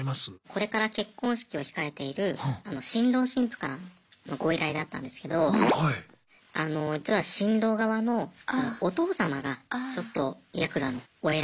これから結婚式を控えている新郎新婦からのご依頼だったんですけどあの実は新郎側のお父様がちょっとヤクザのお偉